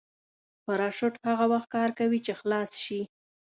پراشوټ هغه وخت کار کوي چې خلاص شي.